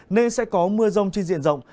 nên sẽ có mưa rông trên diện rộng